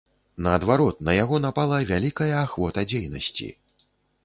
Наадварот, на яго напала вялікая ахвота дзейнасці.